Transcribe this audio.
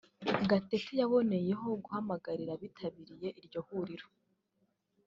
Gatete yaboneyeho guhamagarira abitabiriye iryo huriro